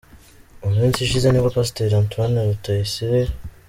Mu minsi ishize nibwo Pasiteri Antoine Rutayisire,.